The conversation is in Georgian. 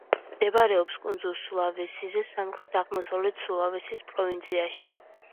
მდებარეობს კუნძულ სულავესიზე, სამხრეთ-აღმოსავლეთ სულავესის პროვინციაში.